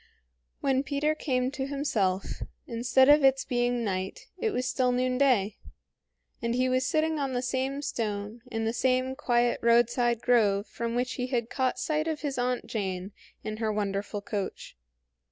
When Peter came to himself, instead of its being night, it was still noonday, and he was sitting on the same stone in the same quiet roadside grove from which he had caught sight of his Aunt Jane in her wonderful coach.